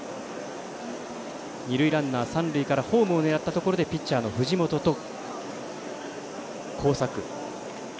二塁ランナー、三塁からホームを狙ったところでピッチャーの藤本と交錯。